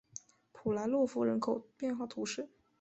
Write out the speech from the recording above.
普莱洛夫人口变化图示